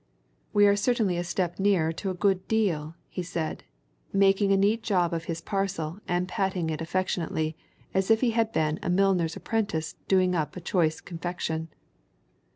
"We are certainly a step nearer to a good deal," he said, making a neat job of his parcel and patting it affectionately as if he had been a milliner's apprentice doing up a choice confection.